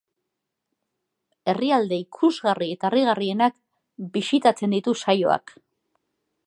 Herrialde ikusgarri eta harrigarrienak bisitatzen ditu saioak.